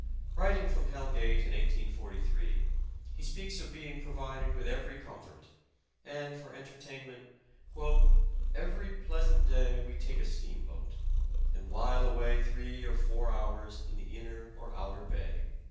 Writing from Hell Gate in 1843, he speaks of being provided with every comfort, and for entertain ment :—'' Every pleasant day we take a steamboat, and while away three or four hours in the inner or outer bay."